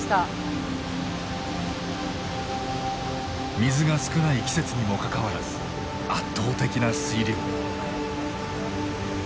水が少ない季節にもかかわらず圧倒的な水量。